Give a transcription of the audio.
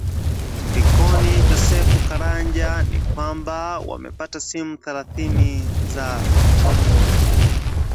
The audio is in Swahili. Likoni Joseph Karanja ni kwamba wamepata simu thelathini za rununu